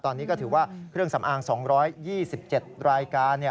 ตอนนี้ก็ถือว่าเครื่องสำอาง๒๒๗รายการ